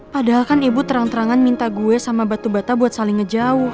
padahal kan ibu terang terangan minta gue sama batu bata buat saling ngejauh